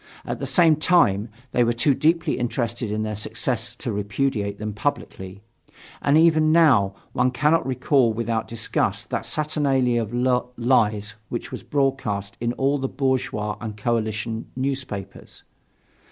At the same time, they were too deeply interested in their success to repudiate them publicly. And even now one cannot recall without disgust that saturnalia of lies which was celebrated broadcast in all the bourgeois and coalition newspapers.